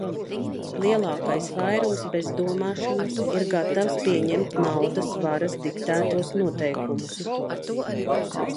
Lielākais vairums bez domāšanas ir gatavs pieņemt naudas varas diktētos noteikumus.